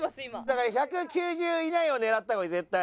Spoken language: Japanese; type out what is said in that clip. だから１９０以内を狙った方がいい絶対。